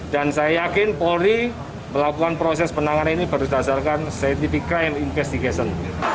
dan saya yakin polri melakukan proses penanganan ini berdasarkan scientific crime investigation